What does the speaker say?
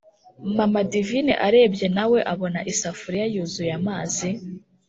mama divine arebye nawe abona isafuriya yuzuye amazi,